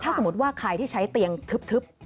สมมุติว่าใครที่ใช้เตียงทึบ